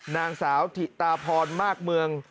นางสาวถิตาพรมากเมือง